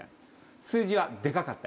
数字はデカかった？